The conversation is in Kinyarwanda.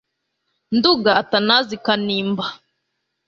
Nduga Atanazi Kanimba